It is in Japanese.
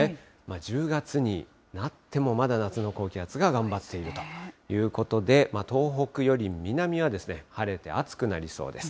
１０月になってもまだ夏の高気圧が頑張っているということで、東北より南は晴れて暑くなりそうです。